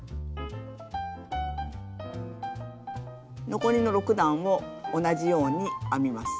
残りの６段を同じように編みます。